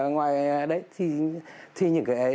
ngoài đấy thì những cái ấy